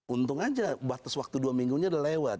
untung saja batas waktu dua minggunya sudah lewat